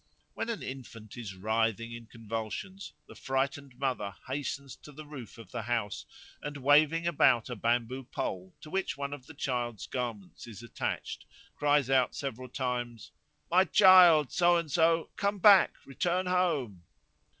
When an infant is writhing in convulsions, the frightened mother hastens to the roof of the house, and, waving about a bamboo pole to which one of the child's garments is attached, cries out several times "My child So and so, come back, return home!"